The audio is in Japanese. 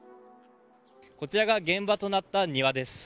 こちらが現場となった庭です。